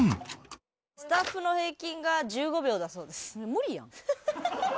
スタッフの平均が１５秒だそうです。